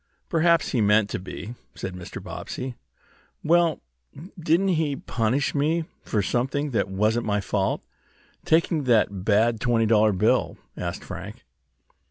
"Perhaps he meant to be," said Mr. Bobbsey. "Well, didn't he punish me for something that wasn't my fault taking that bad twenty dollar bill?" asked Frank.